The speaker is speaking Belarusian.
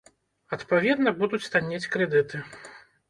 Адпаведна, будуць таннець крэдыты.